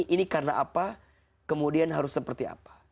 ini karena apa kemudian harus seperti apa